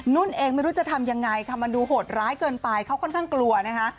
นุ่นเองไม่รู้จะทำยังไงค่ะมันดูโหดร้ายเกินไปเขาค่อนข้างกลัวนะคะ